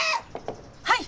はい！